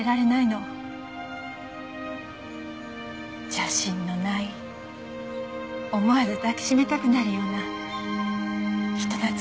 邪心のない思わず抱き締めたくなるような人懐っこい笑顔で。